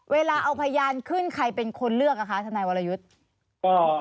เวลาเอาพยานขึ้นใครเป็นคนเลือกอ่ะคะทนายวรยุทธ์